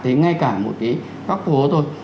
thấy ngay cả một cái góc phố thôi